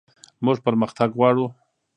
موږ پرمختګ غواړو